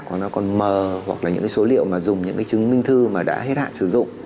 còn nó còn mờ hoặc là những số liệu mà dùng những chứng minh thư mà đã hết hạn sử dụng